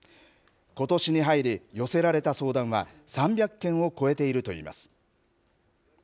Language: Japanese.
ことしに入り、寄せられた相談は３００件を超えているといいます。